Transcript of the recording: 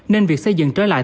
nên việc xây dựng trở lại